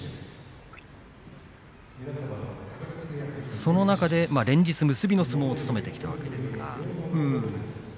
その中で連日結びの相撲を務めてきました。